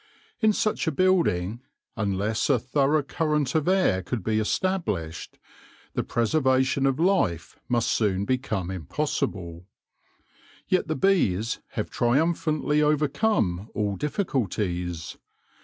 In such a building, unless a through current of air could be established, the preservation of life must soon become impossible. Yet the bees have triumphantly overcome all difficulties.